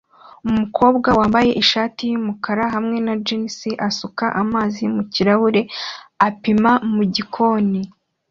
Umukobwa wambaye ishati yumukara hamwe na jans asuka amazi mumirahure apima mugikoni